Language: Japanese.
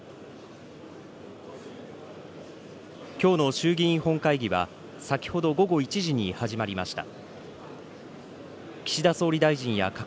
きょうの衆議院本会議は、先ほど午後１時に始まりました。